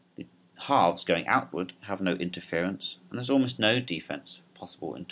The halves going outward have no interference and there is almost no defense for possible interception.